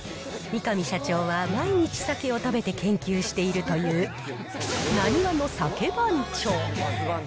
三上社長は毎日鮭を食べて研究しているという、なにわの鮭番長。